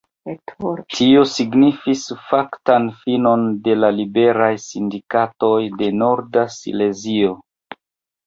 Tio signifis faktan finon de la Liberaj Sindikatoj de Norda Silezio.